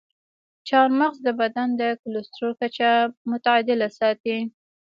چارمغز د بدن د کلسترول کچه متعادله ساتي.